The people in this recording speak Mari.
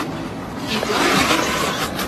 Кидлан туге чучеш.